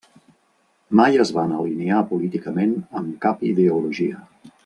Mai es van alinear políticament amb cap ideologia.